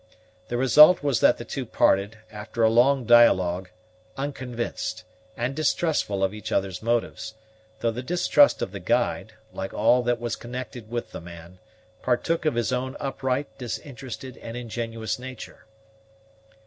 The result was that the two parted, after a long dialogue, unconvinced, and distrustful of each other's motives, though the distrust of the guide, like all that was connected with the man, partook of his own upright, disinterested, and ingenuous nature.